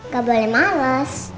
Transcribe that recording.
gak boleh males